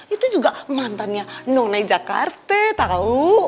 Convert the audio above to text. itu juga mantannya none jakarta tahu